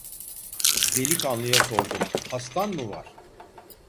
Delikanlıya sordum: "Hastan mı var?"